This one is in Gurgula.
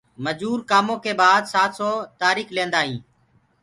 مجور ڪآموُ ڪي بآد سآت سو تآريڪ لينٚدآ هينٚ